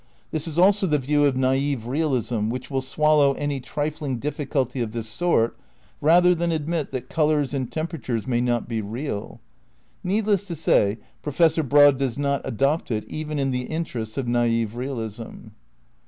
This is also the view of naif realism which will swallow any trifling difficulty of this sort rather than admit that colours and temperatures may not be " real. " Needless to say Professor Broad does not adopt it even in the interests of naif realism.